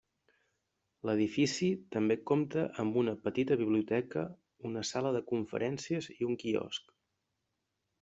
L'edifici també compta amb una petita biblioteca, una sala de conferències i un quiosc.